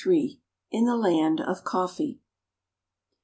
XXXIII. IN THE LAND OF COFFEE.